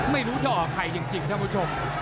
ไม่รู้จะออกใครจริงท่านผู้ชม